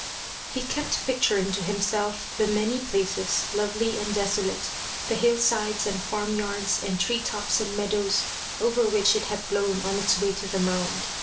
He kept picturing to himself the many places, lovely and desolate, the hill sides and farm yards and tree tops and meadows, over which it had blown on its way to The Mound.